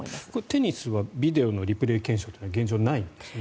テニスはビデオのリプレー検証というのは現状ないんですね。